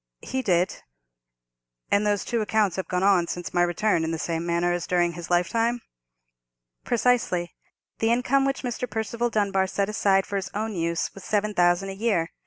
"He did." "And those two accounts have gone on since my return in the same manner as during his lifetime?" "Precisely. The income which Mr. Percival Dunbar set aside for his own use was seven thousand a year.